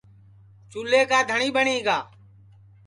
چُولے کا دھٹؔی ٻٹؔی گا